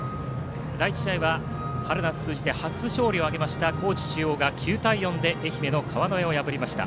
第１試合は春夏通じて初勝利を挙げました高知中央が９対４で愛媛の川之江を破りました。